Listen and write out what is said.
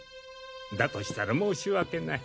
だとしたら申し訳ない。